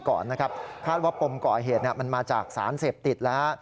คาดว่าปมก่อเหตุมันมาจากสารเสพติดแล้ว